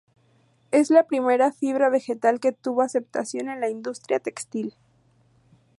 Es la primera fibra vegetal que tuvo aceptación en la industria textil.